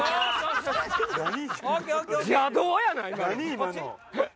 今の。